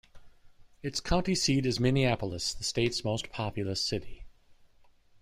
Its county seat is Minneapolis, the state's most populous city.